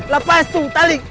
lepas tuh tali